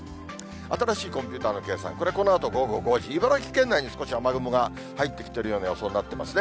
新しいコンピューターの計算、これ、このあと午後５時、茨城県内に少し雨雲が入ってきてるような予想になってますね。